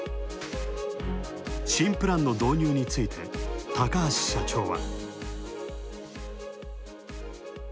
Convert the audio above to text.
新プランの導入について高橋社長は。